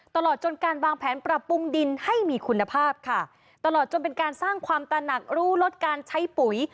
ตลอดจนการวางแผนปรับปรุงดินให้มีคุณภาพค่ะตลอดจนเป็นการสร้างความตระหนักรู้ลดการใช้ปุ๋ย